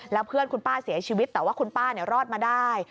แล้วเพื่อนคุณป้าเสียชีวิตแต่ว่าคุณป้ารอดมาได้